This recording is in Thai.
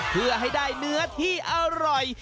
เพื่อให้ได้เนื้อที่อร่อย